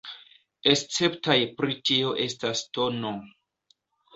Esceptaj pri tio estas tn.